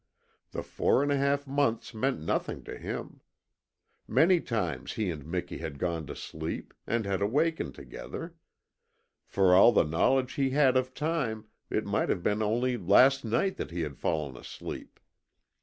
The four and a half months meant nothing to him. Many times he and Miki had gone to sleep, and had awakened together. For all the knowledge he had of time it might have been only last night that he had fallen asleep.